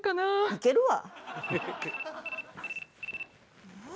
行けるわ！